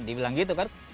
dia bilang gitu kan